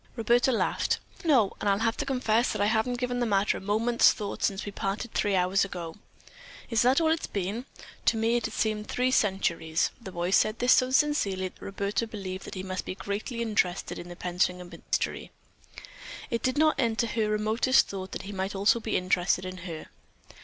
Roberta laughed. "No, and I'll have to confess that I haven't given the matter a moment's thought since we parted three hours ago." "Is that all it has been? To me it has seemed three centuries." The boy said this so sincerely that Roberta believed that he must be greatly interested in the Pensinger mystery. It did not enter her remotest thought that he might also be interested in her.